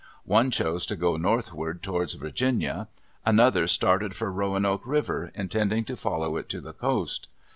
One chose to go northward towards Virginia. Another started for Roanoke River, intending to follow it to the coast.